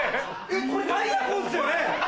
これタイヤ痕っすよね？